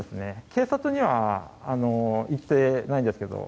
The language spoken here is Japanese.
警察には言ってないんですが。